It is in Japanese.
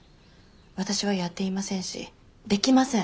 私はやっていませんしできません。